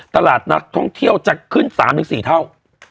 ตลาดนักท่องเที่ยวจะขึ้น๓๔เท่า